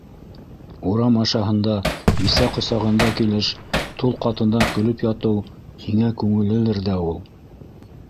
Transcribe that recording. Урам ашаһында бисә ҡосағында килеш тол ҡатындан көлөп ятыу һиңә күңеллелер ҙә ул...